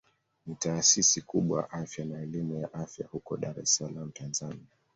Ni taasisi kubwa ya afya na elimu ya afya huko Dar es Salaam Tanzania.